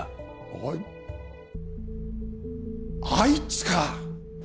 あいあいつか！